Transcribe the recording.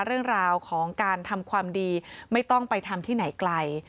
เรื่องราวของการทำความดีไม่ต้องไปทำที่ไหนไกล